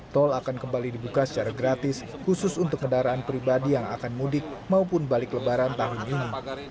tol akan kembali dibuka secara gratis khusus untuk kendaraan pribadi yang akan mudik maupun balik lebaran tahun ini